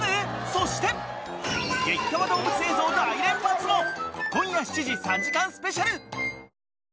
そして、激カワ動物映像大連発の今夜７時、３時間スペシャル。